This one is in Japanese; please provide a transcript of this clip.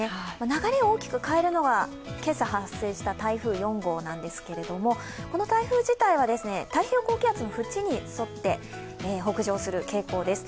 流れを大きく変えるのは今朝発生した台風４号なんですが、この台風自体は太平洋高気圧の縁に沿って北上する傾向です。